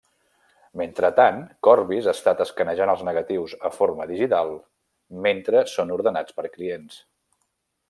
Mentrestant, Corbis ha estat escanejant els negatius a forma digital mentre són ordenats per clients.